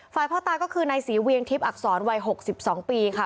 พ่อตาก็คือนายศรีเวียงทิพย์อักษรวัย๖๒ปีค่ะ